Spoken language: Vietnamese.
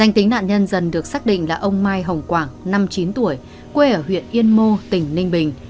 danh tính nạn nhân dần được xác định là ông mai hồng quảng năm mươi chín tuổi quê ở huyện yên mô tỉnh ninh bình